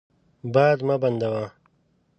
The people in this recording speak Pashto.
باد مه بندوه.